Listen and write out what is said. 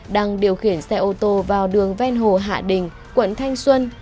đang điều khiển xe ô tô vào đường ven hồ hạ đình quận thanh xuân